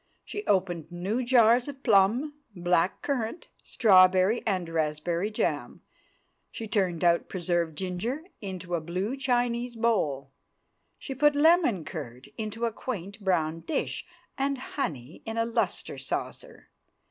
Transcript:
She opened new jars of plum, black currant, strawberry and raspberry jam; she turned out preserved ginger into a blue Chinese bowl; she put lemon curd into a quaint brown dish, and honey in a lustre saucer.